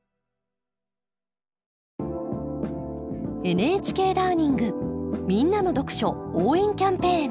「ＮＨＫラーニングみんなの読書応援キャンペーン」。